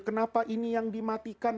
kenapa ini yang di matikan